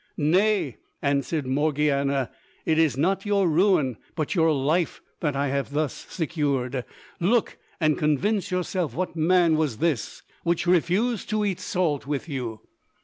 "Nay," answered Morgiana, "it is not your ruin but your life that I have thus secured; look and convince yourself what man was this which refused to eat salt with you!"